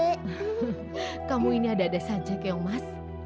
hehe kamu ini ada ada sancai keong mas